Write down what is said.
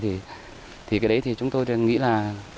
thì cái đấy thì chúng tôi nghĩ là